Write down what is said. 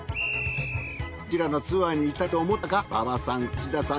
どちらのツアーに行きたいと思ったか馬場さん内田さん